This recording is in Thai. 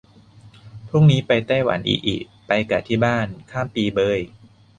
พรุ่งนี้ไปไต้หวัน อิอิ ไปกะที่บ้าน ข้ามปีเบย